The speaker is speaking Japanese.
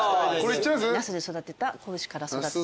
那須で育てた子牛から育てた。